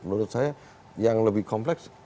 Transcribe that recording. menurut saya yang lebih kompleks